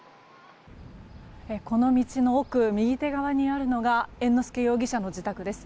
この道の奥右手側にあるのが猿之助容疑者の自宅です。